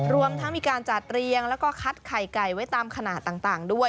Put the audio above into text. รวมทั้งมีการจัดเรียงแล้วก็คัดไข่ไก่ไว้ตามขนาดต่างด้วย